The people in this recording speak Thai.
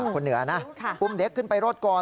เหนือนะอุ้มเด็กขึ้นไปรอดก่อน